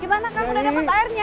gimana kan udah dapet airnya